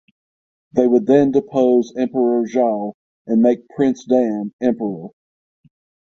They would then depose Emperor Zhao and make Prince Dan emperor.